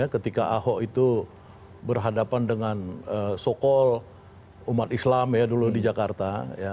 ketika ahok itu berhadapan dengan sokol umat islam ya dulu di jakarta